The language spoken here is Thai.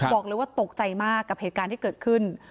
บอกเลยว่าตกใจมากกับเหตุการณ์ที่เกิดขึ้น